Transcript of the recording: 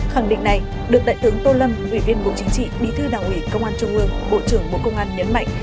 khẳng định này được đại tướng tô lâm ủy viên bộ chính trị bí thư đảng ủy công an trung ương bộ trưởng bộ công an nhấn mạnh